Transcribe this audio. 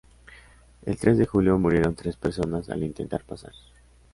El tres de julio murieron tres personas al intentar pasar.